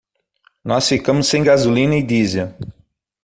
Nós ficamos sem gasolina e diesel.